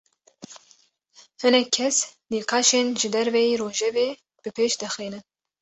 Hinek kes, nîqaşên ji derveyî rojevê bi pêş dixînin